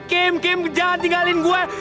kim kim jangan tinggalin gue